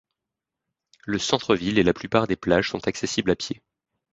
Le centre ville et la plupart des plages sont accessibles à pied.